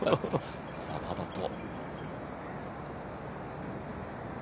さあ、パーパット。